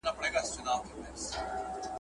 که واټني تدریس منظم وي، درس نه ګډوډېږي.